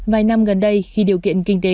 vài năm gần đây khi điều kiện kinh tế